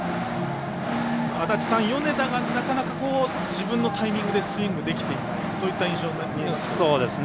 足達さん、米田がなかなか自分のタイミングでスイングできていないそういった印象に見えますが。